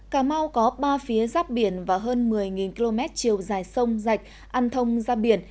cà mau có ba phía giáp biển và hơn một mươi km chiều dài sông dạch ăn thông giáp biển